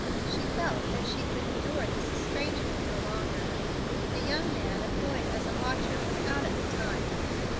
She felt that she could endure this estrangement no longer. The young man employed as watcher was out at the time.